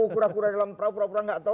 pura pura dalam prapura gak tahu